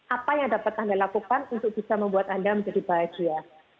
apa yang dapat anda lakukan untuk bisa membuat anda menjadi bahagia